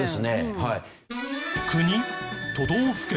はい。